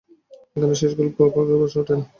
এখানে গল্প শেষ করার প্রশ্নই ওঠে না।